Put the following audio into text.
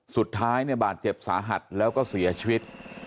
สุดท้ายเนี่ยบาดเจ็บสาหัสแล้วก็เสียชีวิต